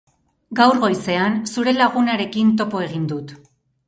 Gaur goizean, zure lagunarekin topo egin dut.